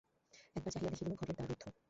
একবার চাহিয়া দেখিল, ঘরের দ্বার রুদ্ধ।